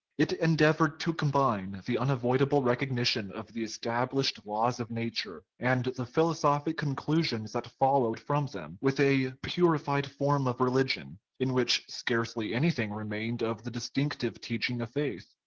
It endeavored to combine the unavoidable recognition of the established laws of nature, and the philosophic conclusions that followed from them, with a purified form of religion, in which scarcely anything remained of the distinctive teaching of faith.